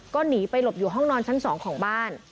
ก็หนีไปหลบอยู่ห้องนอนชั้น๒ของบ้าน